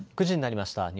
９時になりました。